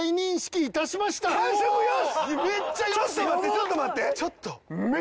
ちょっと待ってちょっと待って！